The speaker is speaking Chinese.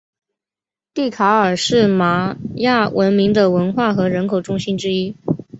蒂卡尔是玛雅文明的文化和人口中心之一。